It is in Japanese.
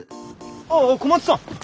ああ小松さん！